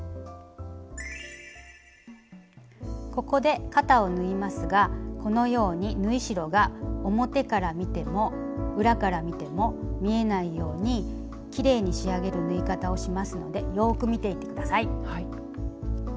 ここで肩を縫いますがこのように縫い代が表から見ても裏から見ても見えないようにきれいに仕上げる縫い方をしますのでよく見ていてください。